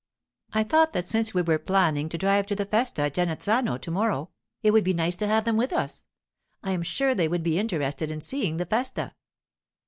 I thought that since we were planning to drive to the festa at Genazzano to morrow, it would be nice to have them with us. I am sure they would be interested in seeing the festa.